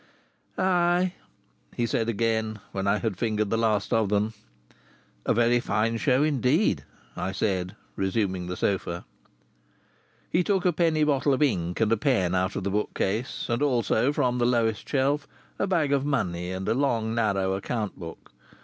"Ay!" he said again, when I had fingered the last of them. "A very fine show indeed!" I said, resuming the sofa. He took a penny bottle of ink and a pen out of the bookcase, and also, from the lowest shelf, a bag of money and a long narrow account book.